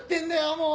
もう！